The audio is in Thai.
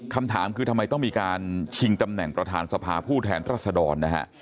คำถามคือทำไมต้องมีการชิงตำแหน่งประธานสภาผู้แทนรัศดรนะฮะ